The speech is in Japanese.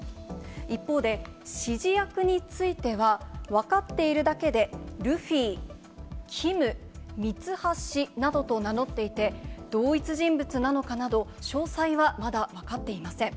一方で、指示役については、分かっているだけでルフィ、ＫＩＭ、ミツハシなどと名乗っていて、同一人物なのかなど、詳細はまだ分かっていません。